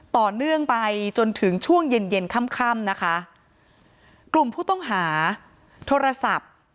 ต่อเนื่องไปจนถึงช่วงเย็นเย็นค่ำค่ำนะคะกลุ่มผู้ต้องหาโทรศัพท์